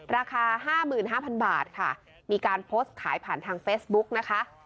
ราคาห้าหมื่นห้าพันบาทค่ะมีการโพสต์ขายผ่านทางเฟซบุ๊กนะคะ